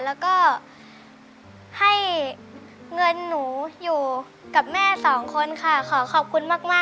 แล้วก็ให้เงินหนูอยู่กับแม่สองคนค่ะขอขอบคุณมาก